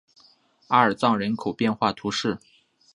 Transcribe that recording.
阿尔藏人口变化图示